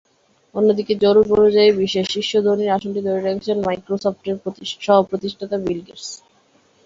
অন্যদিকে জরিপ অনুযায়ী বিশ্বের শীর্ষ ধনীর আসনটি ধরে রেখেছেন মাইক্রোসফটের সহপ্রতিষ্ঠাতা বিল গেটস।